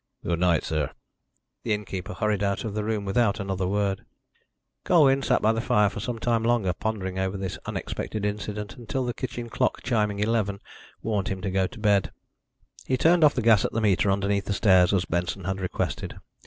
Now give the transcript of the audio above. "Good night, sir." The innkeeper hurried out of the room without another word. Colwyn sat by the fire for some time longer pondering over this unexpected incident, until the kitchen clock chiming eleven warned him to go to bed. He turned off the gas at the meter underneath the stairs as Benson had requested.